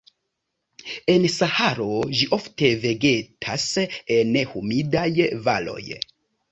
En Saharo, ĝi ofte vegetas en humidaj valoj.